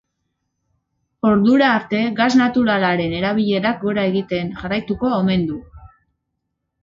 Ordura arte, gas naturalaren erabilerak gora egiten jarraituko omen du.